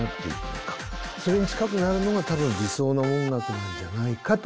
それに近くなるのが多分理想の音楽なんじゃないかと。